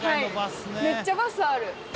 めっちゃバスある。